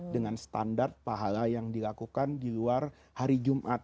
dengan standar pahala yang dilakukan di luar hari jumat